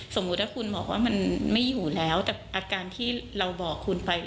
สมมุติถ้าคุณบอกว่ามันไม่อยู่แล้วแต่อาการที่เราบอกคุณไป